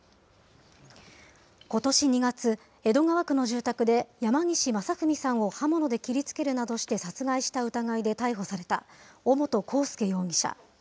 ことし２月、江戸川区の住宅で、山岸正文さんを刃物で切りつけるなどして殺害した疑いで逮捕された、尾本幸祐容疑者。